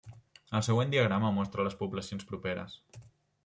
El següent diagrama mostra les poblacions properes.